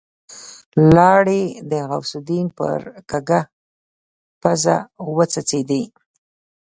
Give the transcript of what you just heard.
لاړې د غوث الدين پر کږه پزه وڅڅېدې.